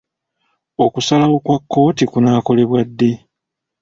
Okusalawo kwa kkooti kunaakolebwa ddi.